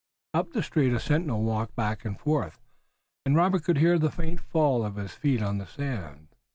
Up the street, a sentinel walked back and forth, and Robert could hear the faint fall of his feet on the sand.